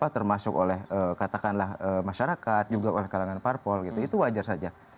termasuk oleh katakanlah masyarakat juga oleh kalangan parpol gitu itu wajar saja